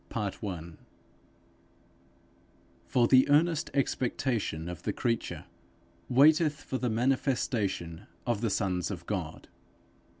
_ For the earnest expectation of the creature waiteth for the manifestation of the sons of God.